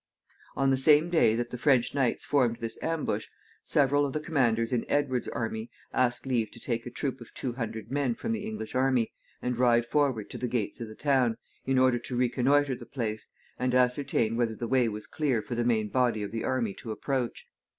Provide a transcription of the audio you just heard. On the same day that the French knights formed this ambush, several of the commanders in Edward's army asked leave to take a troop of two hundred men from the English army, and ride forward to the gates of the town, in order to reconnoitre the place, and ascertain whether the way was clear for the main body of the army to approach.